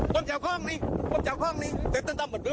คนเจ้าของนี้คนเจ้าของนี้เตะนำหมดระยะ